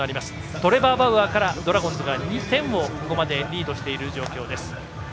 トレバー・バウアーからドラゴンズが２点をここまでリードしている状況です。